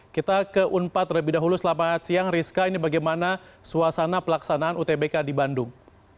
kita ke unpad terlebih dahulu selamat siang rizka ini bagaimana suasana pelaksanaan utbk di bandung